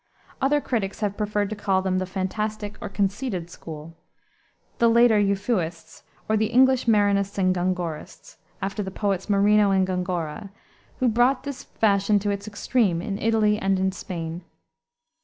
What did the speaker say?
Other critics have preferred to call them the fantastic or conceited school, the later Euphuists, or the English Marinists and Gongorists, after the poets Marino and Gongora, who brought this fashion to its extreme in Italy and in Spain.